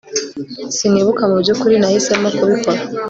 Sinibuka mubyukuri nahisemo kubikora